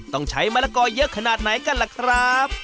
ต้องใช้มะละกอเยอะขนาดไหนกันล่ะครับ